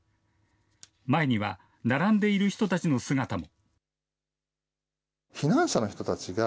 前には、並んでいる人たちの姿も。